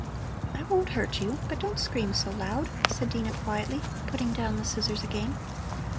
"I won't hurt you. But don't scream so loud!" said Dino quietly, putting down the scissors again.